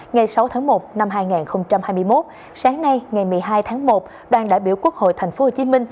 ngày sáu tháng một năm hai nghìn hai mươi một sáng nay ngày một mươi hai tháng một đoàn đại biểu quốc hội tp hcm